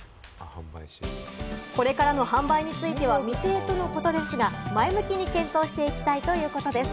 これからの販売については未定とのことですが、前向きに検討していきたいということです。